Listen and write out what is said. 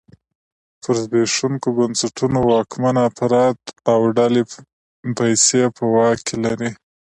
پر زبېښونکو بنسټونو واکمن افراد او ډلې پیسې په واک کې لري.